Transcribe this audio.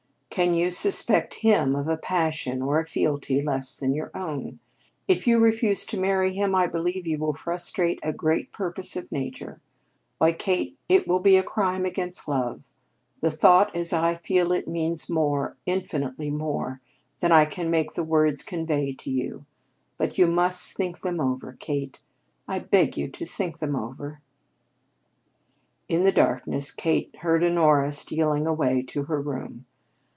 "Can you suspect him of a passion or a fealty less than your own? If you refuse to marry him, I believe you will frustrate a great purpose of Nature. Why, Kate, it will be a crime against Love. The thought as I feel it means more oh, infinitely more than I can make the words convey to you; but you must think them over, Kate, I beg you to think them over!" In the darkness, Kate heard Honora stealing away to her room.